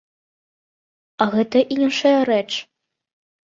А гэта іншая рэч.